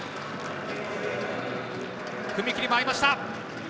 踏み切りも合いました。